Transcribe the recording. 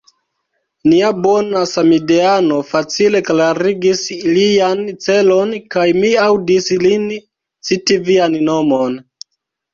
Nia bona samideano facile klarigis ilian celon; kaj mi aŭdis lin citi vian nomon.